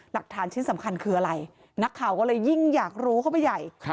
หลักฐานชิ้นสำคัญคืออะไรนักข่าวก็เลยยิ่งอยากรู้เข้าไปใหญ่